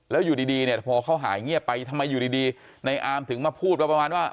แล้วอยู่ดีเนี่ยพอเขาหายเงียบไปทำไมอยู่ดีในอาร์มถึงมาพูดว่าประมาณว่า